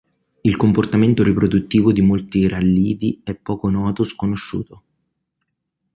Il comportamento riproduttivo di molti rallidi è poco noto o sconosciuto.